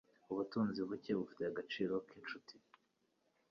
Ubutunzi buke bufite agaciro nkinshuti.